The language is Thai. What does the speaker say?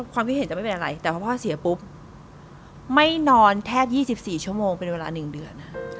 ความคิดเห็นจะไม่เป็นอะไรแต่พ่อเสียปุ๊บไม่นอนแทบยี่สิบสี่ชั่วโมงเป็นเวลาหนึ่งเดือนอะ